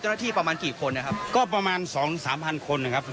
เจ้าหน้าที่ประมาณกี่คนนะครับก็ประมาณสองสามพันคนนะครับ